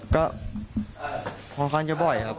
ก็ค่อนข้างจะบ่อยครับ